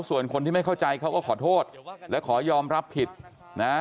ส่วนคนที่ไม่เข้าใจเขาก็ขอโทษและขอยอมรับผิดนะ